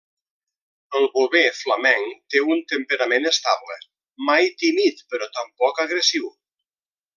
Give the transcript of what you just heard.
El Bover flamenc té un temperament estable; mai tímid però tampoc agressiu.